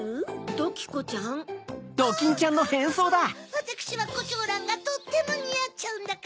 わたくしはコチョウランがとってもにあっちゃうんだから。